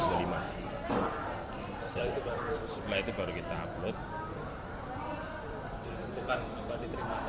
setelah itu baru kita upload